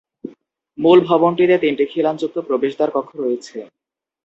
মূল ভবনটিতে তিনটি খিলানযুক্ত প্রবেশদ্বার কক্ষ রয়েছে।